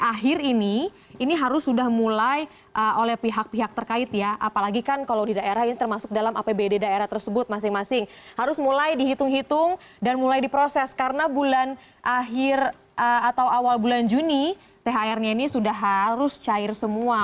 akhir ini ini harus sudah mulai oleh pihak pihak terkait ya apalagi kan kalau di daerah ini termasuk dalam apbd daerah tersebut masing masing harus mulai dihitung hitung dan mulai diproses karena bulan akhir atau awal bulan juni thr nya ini sudah harus cair semua